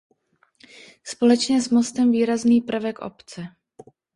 Společně s mostem výrazný prvek obce.